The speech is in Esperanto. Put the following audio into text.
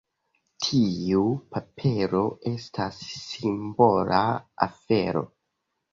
Tiu papero estas simbola afero.